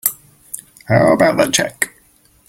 How about that check?